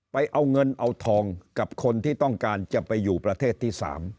ไปเอาเงินเอาทองกับคนที่ต้องการจะไปอยู่ประเทศที่๓